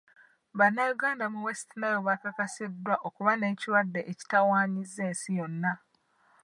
Bannayuganda mu West Nile bakakasiddwa okuba n'ekirwadde ekitawaanyizza ensi yonna.